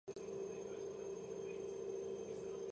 იგი ხშირად ასრულებდა ერთ სიმღერას, საიდანაც მოდის მეტსახელი „კოკო“.